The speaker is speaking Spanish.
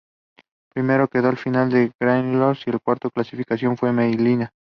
Primero quedó el filial del Granollers y cuarto clasificado fue Melilla.